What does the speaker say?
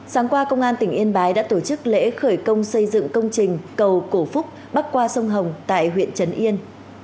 sáng qua công an tỉnh yên bái đã tổ chức lễ khởi công xây dựng công trình cầu cổ phúc bắc qua sông hồng tại huyện trấn yên